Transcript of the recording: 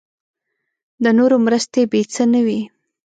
د نورو مرستې بې څه نه وي.